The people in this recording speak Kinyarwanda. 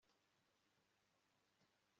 umuja aruta umugore mubi